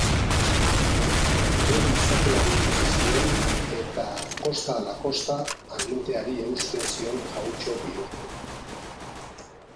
Eredu izateari utzi zion eta kosta ahala kosta aginteari eusten zion jauntxo bihurtu.